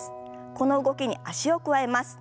この動きに脚を加えます。